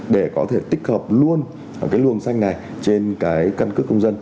để có thể tích hợp luôn cái luồng xanh này trên cái căn cước công dân